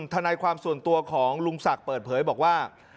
ทนายความส่วนตัวของลุงศักดิ์เปิดเผยบอกว่า